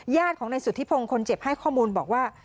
ญาติของนายสุธิพงศ์คนเจ็บให้ข้อมูลบอกว่า